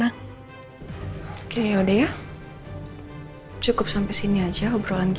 dan ini produksi mamaja mamahy